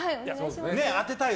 当てたいよ。